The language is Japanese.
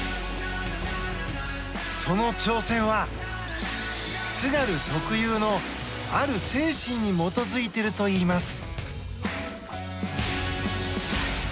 その挑戦は、津軽特有のある精神に基づいているといいます。